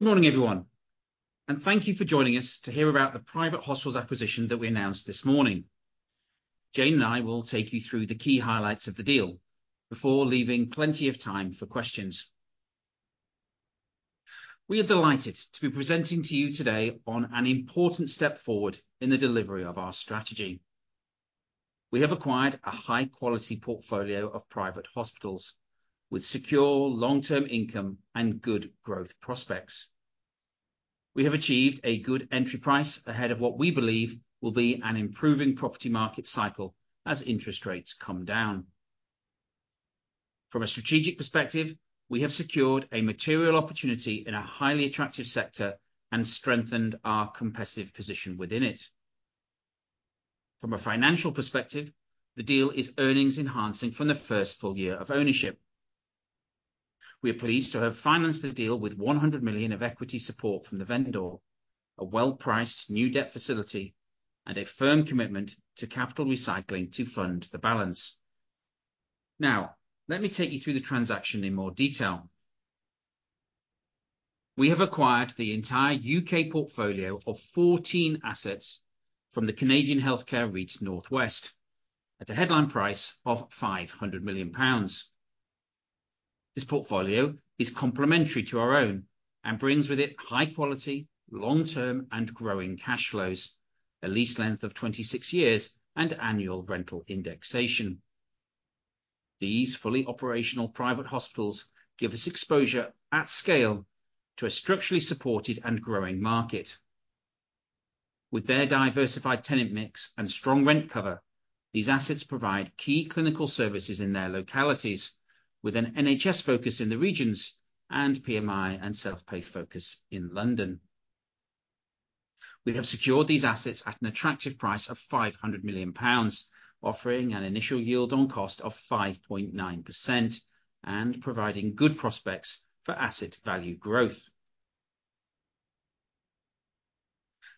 Good morning, everyone, and thank you for joining us to hear about the private hospitals acquisition that we announced this morning. Jayne and I will take you through the key highlights of the deal before leaving plenty of time for questions. We are delighted to be presenting to you today on an important step forward in the delivery of our strategy. We have acquired a high-quality portfolio of private hospitals with secure long-term income and good growth prospects. We have achieved a good entry price ahead of what we believe will be an improving property market cycle as interest rates come down. From a strategic perspective, we have secured a material opportunity in a highly attractive sector and strengthened our competitive position within it. From a financial perspective, the deal is earnings enhancing from the first full year of ownership. We are pleased to have financed the deal with 100 million of equity support from the vendor, a well-priced new debt facility, and a firm commitment to capital recycling to fund the balance. Now, let me take you through the transaction in more detail. We have acquired the entire UK portfolio of 14 assets from the Canadian Healthcare REIT NorthWest at a headline price of 500 million pounds. This portfolio is complementary to our own and brings with it high quality, long-term, and growing cash flows, a lease length of 26 years, and annual rental indexation. These fully operational private hospitals give us exposure at scale to a structurally supported and growing market. With their diversified tenant mix and strong rent cover, these assets provide key clinical services in their localities, with an NHS focus in the regions and PMI and self-pay focus in London. We have secured these assets at an attractive price of 500 million pounds, offering an initial yield on cost of 5.9% and providing good prospects for asset value growth.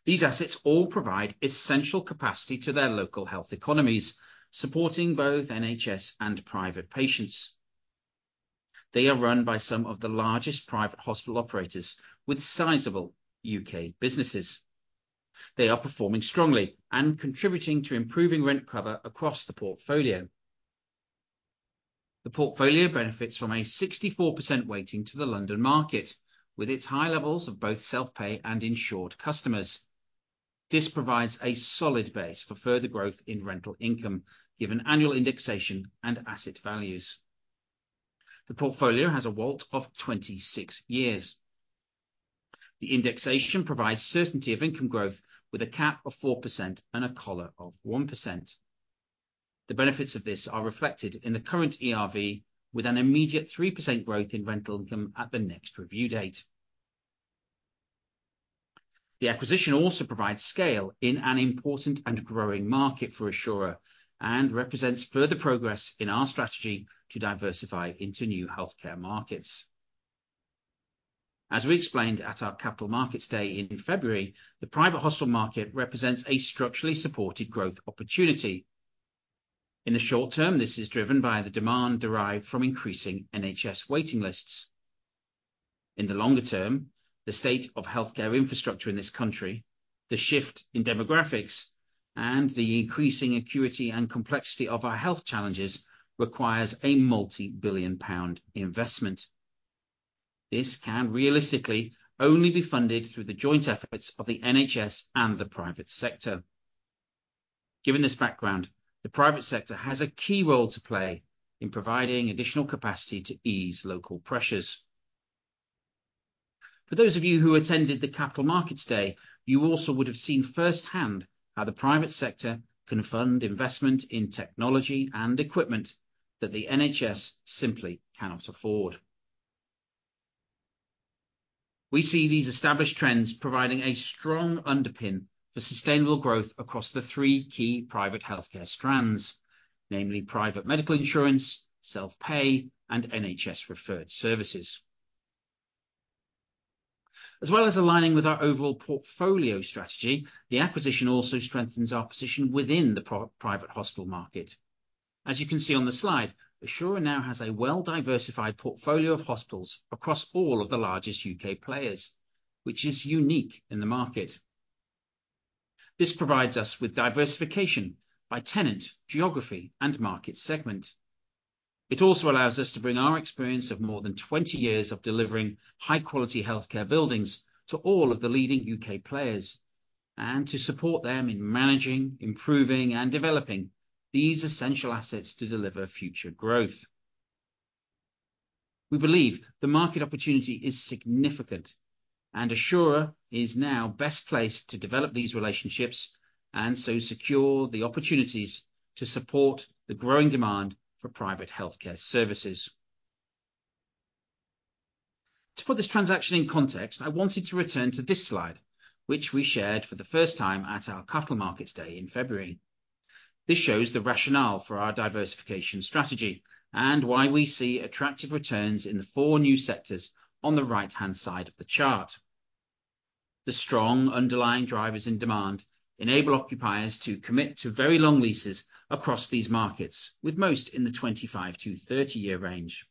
These assets all provide essential capacity to their local health economies, supporting both NHS and private patients. They are run by some of the largest private hospital operators with sizable UK businesses. They are performing strongly and contributing to improving rent cover across the portfolio. The portfolio benefits from a 64% weighting to the London market, with its high levels of both self-pay and insured customers. This provides a solid base for further growth in rental income, given annual indexation and asset values. The portfolio has a WALT of 26 years. The indexation provides certainty of income growth with a cap of 4% and a collar of 1%. The benefits of this are reflected in the current ERV, with an immediate 3% growth in rental income at the next review date. The acquisition also provides scale in an important and growing market for Assura and represents further progress in our strategy to diversify into new healthcare markets. As we explained at our Capital Markets Day in February, the private hospital market represents a structurally supported growth opportunity. In the short term, this is driven by the demand derived from increasing NHS waiting lists. In the longer term, the state of healthcare infrastructure in this country, the shift in demographics, and the increasing acuity and complexity of our health challenges requires a multi-billion-pound investment. This can realistically only be funded through the joint efforts of the NHS and the private sector. Given this background, the private sector has a key role to play in providing additional capacity to ease local pressures. For those of you who attended the Capital Markets Day, you also would have seen firsthand how the private sector can fund investment in technology and equipment that the NHS simply cannot afford. We see these established trends providing a strong underpin for sustainable growth across the three key private healthcare strands, namely private medical insurance, self-pay, and NHS-referred services. As well as aligning with our overall portfolio strategy, the acquisition also strengthens our position within the private hospital market. As you can see on the slide, Assura now has a well-diversified portfolio of hospitals across all of the largest UK players, which is unique in the market. This provides us with diversification by tenant, geography, and market segment. It also allows us to bring our experience of more than 20 years of delivering high-quality healthcare buildings to all of the leading U.K. players, and to support them in managing, improving, and developing these essential assets to deliver future growth. We believe the market opportunity is significant, and Assura is now best placed to develop these relationships, and so secure the opportunities to support the growing demand for private healthcare services. To put this transaction in context, I wanted to return to this slide, which we shared for the first time at our Capital Markets Day in February. This shows the rationale for our diversification strategy and why we see attractive returns in the four new sectors on the right-hand side of the chart.... The strong underlying drivers in demand enable occupiers to commit to very long leases across these markets, with most in the 25- to 30-year range.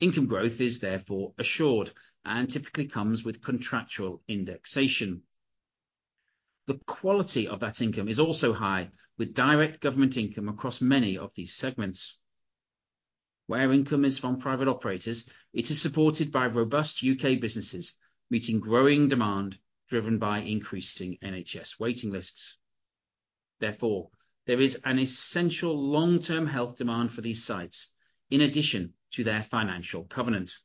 Income growth is therefore assured and typically comes with contractual indexation. The quality of that income is also high, with direct government income across many of these segments. Where income is from private operators, it is supported by robust UK businesses, meeting growing demand, driven by increasing NHS waiting lists. Therefore, there is an essential long-term health demand for these sites, in addition to their financial covenant.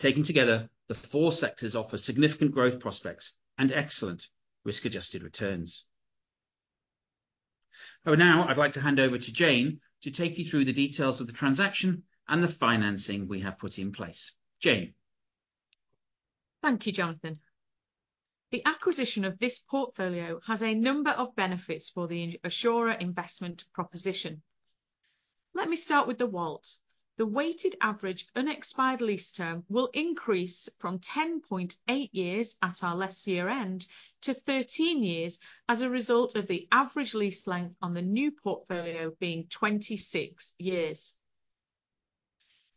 Taken together, the four sectors offer significant growth prospects and excellent risk-adjusted returns. So now I'd like to hand over to Jayne to take you through the details of the transaction and the financing we have put in place. Jayne? Thank you, Jonathan. The acquisition of this portfolio has a number of benefits for the Assura investment proposition. Let me start with the WALT. The weighted average unexpired lease term will increase from 10.8 years at our last year end to 13 years as a result of the average lease length on the new portfolio being 26 years.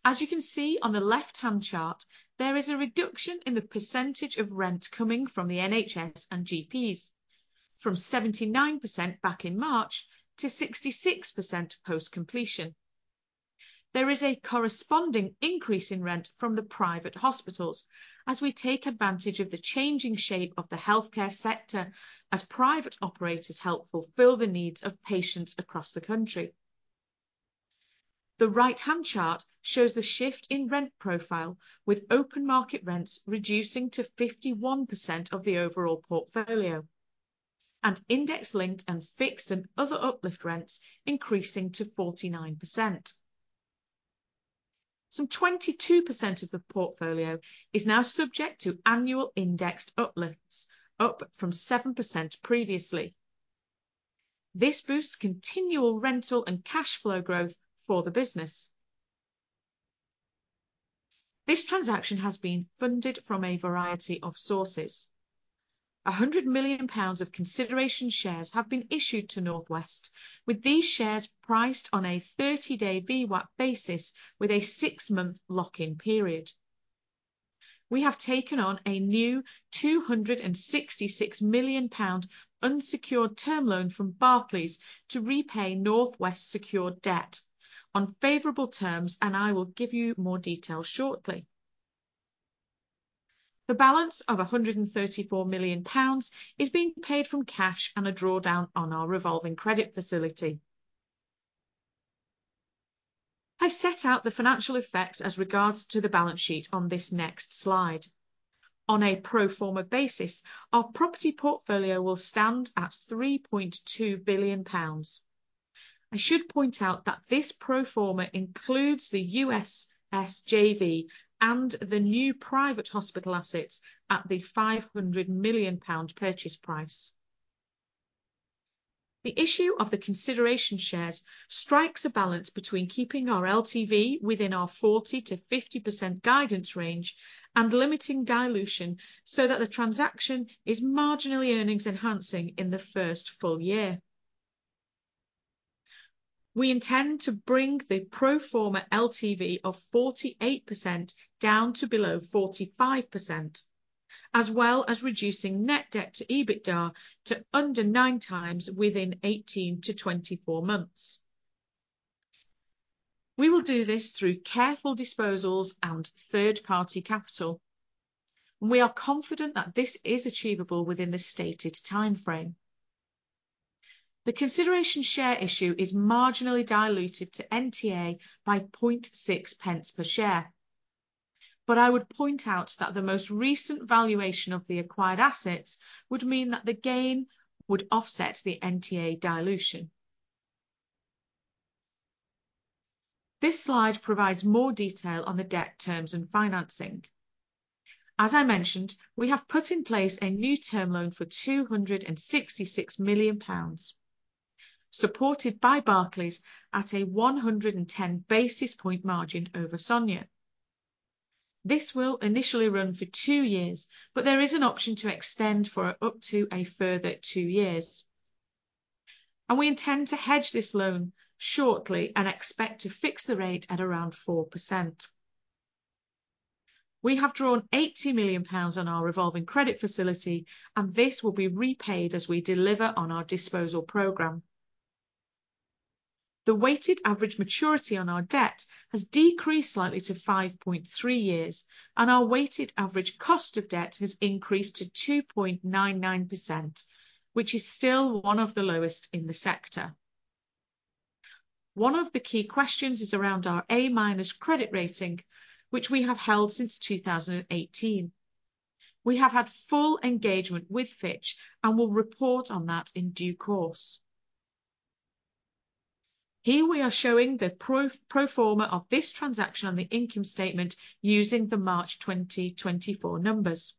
As you can see on the left-hand chart, there is a reduction in the percentage of rent coming from the NHS and GPs, from 79% back in March to 66% post-completion. There is a corresponding increase in rent from the private hospitals as we take advantage of the changing shape of the healthcare sector, as private operators help fulfill the needs of patients across the country. The right-hand chart shows the shift in rent profile, with open market rents reducing to 51% of the overall portfolio, and index-linked and fixed and other uplift rents increasing to 49%. Some 22% of the portfolio is now subject to annual indexed uplifts, up from 7% previously. This boosts continual rental and cash flow growth for the business. This transaction has been funded from a variety of sources. 100 million pounds of consideration shares have been issued to NorthWest, with these shares priced on a 30-day VWAP basis, with a 6-month lock-in period. We have taken on a new 266 million pound unsecured term loan from Barclays to repay NorthWest secured debt on favorable terms, and I will give you more details shortly. The balance of 134 million pounds is being paid from cash and a drawdown on our revolving credit facility. I set out the financial effects as regards to the balance sheet on this next slide. On a pro forma basis, our property portfolio will stand at 3.2 billion pounds. I should point out that this pro forma includes the USS JV and the new private hospital assets at the 500 million pound purchase price. The issue of the consideration shares strikes a balance between keeping our LTV within our 40%-50% guidance range and limiting dilution, so that the transaction is marginally earnings enhancing in the first full year. We intend to bring the pro forma LTV of 48% down to below 45%, as well as reducing net debt to EBITDA to under 9x within 18-24 months. We will do this through careful disposals and third-party capital. We are confident that this is achievable within the stated timeframe. The consideration share issue is marginally diluted to NTA by 0.6 pence per share. But I would point out that the most recent valuation of the acquired assets would mean that the gain would offset the NTA dilution. This slide provides more detail on the debt terms and financing. As I mentioned, we have put in place a new term loan for 266 million pounds, supported by Barclays at a 110 basis point margin over SONIA. This will initially run for 2 years, but there is an option to extend for up to a further 2 years, and we intend to hedge this loan shortly and expect to fix the rate at around 4%. We have drawn 80 million pounds on our revolving credit facility, and this will be repaid as we deliver on our disposal program. The weighted average maturity on our debt has decreased slightly to 5.3 years, and our weighted average cost of debt has increased to 2.99%, which is still one of the lowest in the sector. One of the key questions is around our A-minus credit rating, which we have held since 2018. We have had full engagement with Fitch and will report on that in due course. Here we are showing the pro forma of this transaction on the income statement using the March 2024 numbers.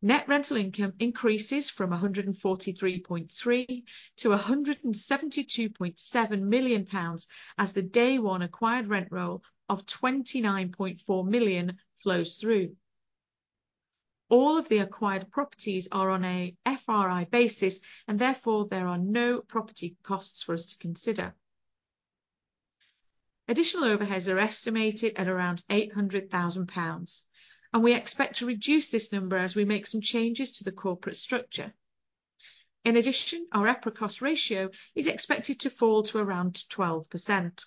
Net rental income increases from 143.3 million to 172.7 million pounds, as the day one acquired rent roll of 29.4 million flows through. All of the acquired properties are on a FRI basis, and therefore, there are no property costs for us to consider. Additional overheads are estimated at around 800,000 pounds, and we expect to reduce this number as we make some changes to the corporate structure. In addition, our EPRA cost ratio is expected to fall to around 12%.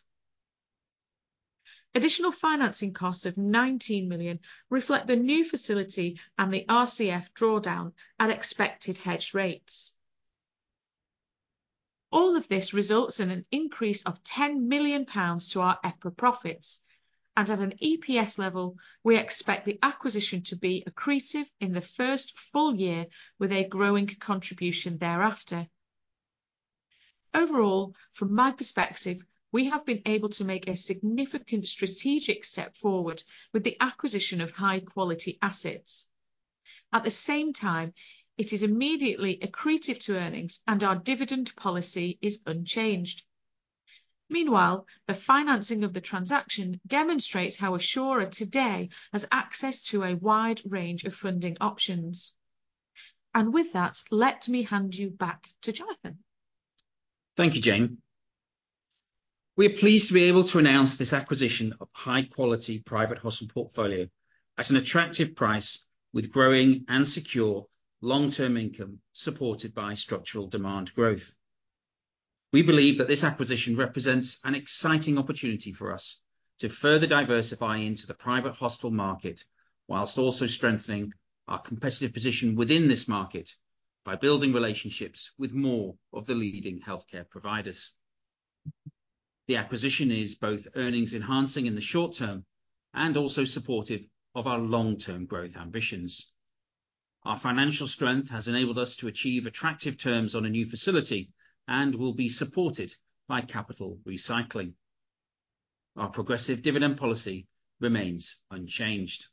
Additional financing costs of 19 million reflect the new facility and the RCF drawdown at expected hedge rates. All of this results in an increase of 10 million pounds to our EPRA profits. At an EPS level, we expect the acquisition to be accretive in the first full year, with a growing contribution thereafter. Overall, from my perspective, we have been able to make a significant strategic step forward with the acquisition of high-quality assets. At the same time, it is immediately accretive to earnings, and our dividend policy is unchanged. Meanwhile, the financing of the transaction demonstrates how Assura today has access to a wide range of funding options. And with that, let me hand you back to Jonathan. Thank you, Jayne. We are pleased to be able to announce this acquisition of high-quality private hospital portfolio at an attractive price, with growing and secure long-term income, supported by structural demand growth. We believe that this acquisition represents an exciting opportunity for us to further diversify into the private hospital market, whilst also strengthening our competitive position within this market by building relationships with more of the leading healthcare providers. The acquisition is both earnings enhancing in the short term and also supportive of our long-term growth ambitions. Our financial strength has enabled us to achieve attractive terms on a new facility and will be supported by capital recycling. Our progressive dividend policy remains unchanged.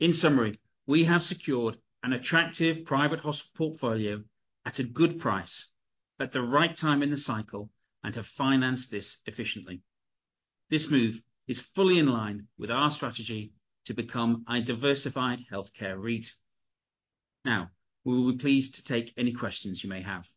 In summary, we have secured an attractive private hospital portfolio at a good price, at the right time in the cycle, and have financed this efficiently. This move is fully in line with our strategy to become a diversified healthcare REIT. Now, we will be pleased to take any questions you may have.